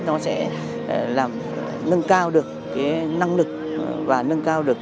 nó sẽ nâng cao được năng lực và nâng cao được chất lượng đội ngũ giảng viên của nhà trường